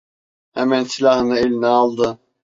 Hemen silahını eline aldı.